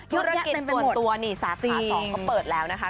เยอะแยะเต็มไปหมดตัวนี่สาขาสองก็เปิดแล้วนะคะ